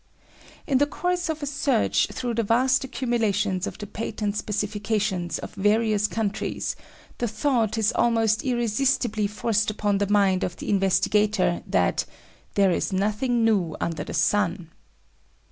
In the course of a search through the vast accumulations of the patent specifications of various countries, the thought is almost irresistibly forced upon the mind of the investigator that "there is nothing new under the sun".